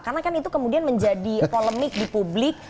karena kan itu kemudian menjadi polemik di publik